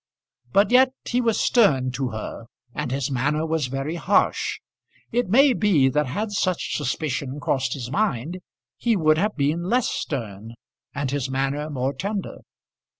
But yet he was stern to her, and his manner was very harsh. It may be that had such suspicion crossed his mind he would have been less stern, and his manner more tender.